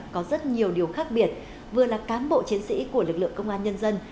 có rất nhiều điều khác biệt vừa là cán bộ chiến sĩ của lực lượng công an nhân dân